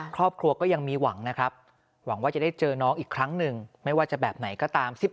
ครอบครัวก็ยังมีหวังนะครับหวังว่าจะได้เจอน้องอีกครั้งหนึ่งไม่ว่าจะแบบไหนก็ตาม